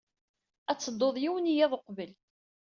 Ad teddud yiwen n yiḍ uqbel.